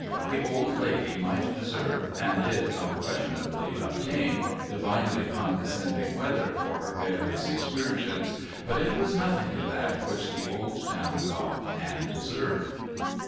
The Old Lady might deserve and did unquestionably obtain divinely condescending weather for her various excursions, but it was nothing to that which the Old Town got and deserved.